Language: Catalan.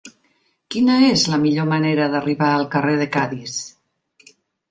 Quina és la millor manera d'arribar al carrer de Cadis?